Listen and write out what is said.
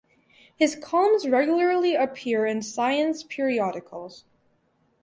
His columns regularly appear in science periodicals.